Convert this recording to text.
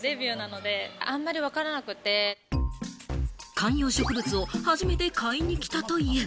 観葉植物を初めて買いに来たという。